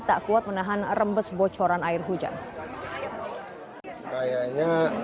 tak kuat menahan rembes bocoran air hujan